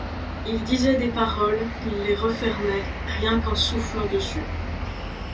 Il disait des paroles, il les refermait, rien qu’en soufflant dessus.